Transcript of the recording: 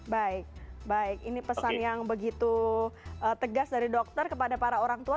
baik baik ini pesan yang begitu tegas dari dokter kepada para orang tua